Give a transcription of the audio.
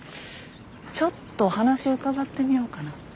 ちょっと話伺ってみようかな。